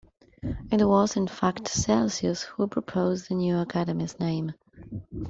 It was in fact Celsius who proposed the new academy's name.